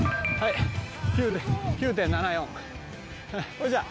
それじゃあ。